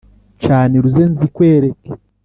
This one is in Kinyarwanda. canira uze nzikwereke .